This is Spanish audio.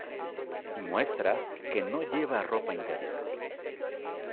Y muestra que no lleva ropa interior.